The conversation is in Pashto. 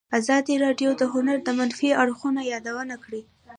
ازادي راډیو د هنر د منفي اړخونو یادونه کړې.